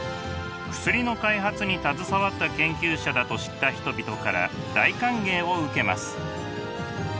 薬の開発に携わった研究者だと知った人々から大歓迎を受けます。